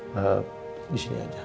lalu misalnya bapak tau apa